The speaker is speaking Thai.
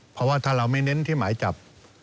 เพราะว่าถ้าเราไม่เน้นที่หมายจับ